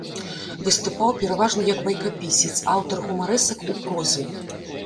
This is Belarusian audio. Выступаў пераважна як байкапісец, аўтар гумарэсак у прозе.